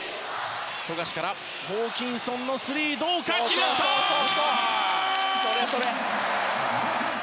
富樫からホーキンソンのスリーそうそう、それそれ。